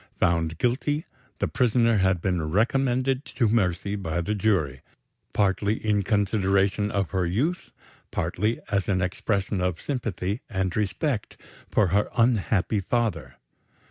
Found guilty, the prisoner had been recommended to mercy by the jury partly in consideration of her youth; partly as an expression of sympathy and respect for her unhappy father.